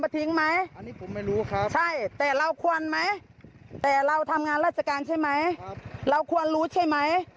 แต่เราทำงานราชการใช่ไหมเราควรรู้ใช่ไหม